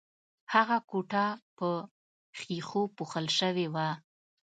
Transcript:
هغه کوټه په ښیښو پوښل شوې وه